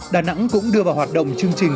đà nẵng cũng đưa vào hoạt động chương trình